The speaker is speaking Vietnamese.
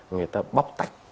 người ta bóc tách